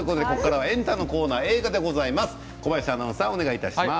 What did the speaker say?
エンタのコーナー映画でございます。